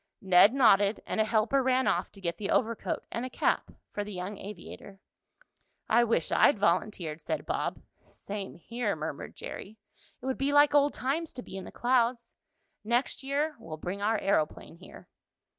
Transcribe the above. Ned nodded, and a helper ran off to get the overcoat and a cap for the young aviator. "I wish I'd volunteered," said Bob. "Same here," murmured Jerry. "It would be like old times to be in the clouds. Next year we'll bring our aeroplane here."